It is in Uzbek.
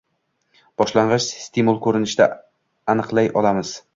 boshlang‘ich stimul ko‘rinishida aniqlay olmaymiz.